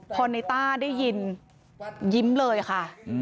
พอในต้าได้ยินยิ้มเลยค่ะ